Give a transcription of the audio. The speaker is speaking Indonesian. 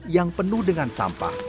yang penuh dengan sampah